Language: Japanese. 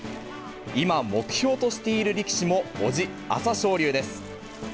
今、目標としている力士もおじ、朝青龍です。